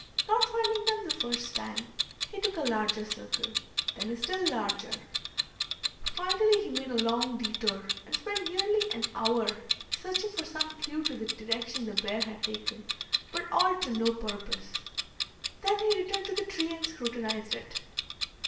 Not finding them the first time, he took a larger circle, then a still larger; finally he made a long detour, and spent nearly an hour searching for some clew to the direction the bear had taken, but all to no purpose. Then he returned to the tree and scrutinized it.